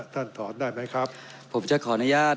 พังฐหน่อยไหมครับผมจะขออนุญาต